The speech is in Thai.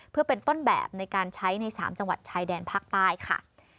เพื่อเป็นต้นแบบในการใช้ใน๓จังหวัดชายแดนภาคใต้ค่ะ